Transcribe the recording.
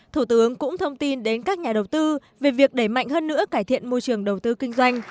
thủ tướng cũng thông tin đến các nhà đầu tư về việc đẩy mạnh hơn nữa cải thiện môi trường đầu tư kinh doanh